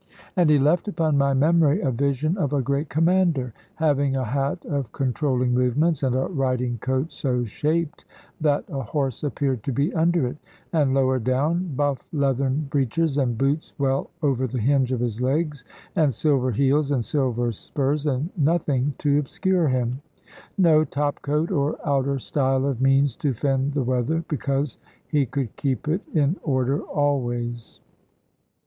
And he left upon my memory a vision of a great commander, having a hat of controlling movements, and a riding coat so shaped that a horse appeared to be under it; and lower down, buff leathern breeches, and boots well over the hinge of his legs, and silver heels, and silver spurs, and nothing to obscure him. No topcoat or outer style of means to fend the weather, because he could keep it in order always.